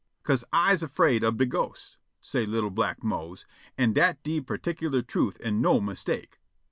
"'Ca'se I's afraid ob de ghosts," say' li'l' black Mose, an' dat de particular truth an' no mistake.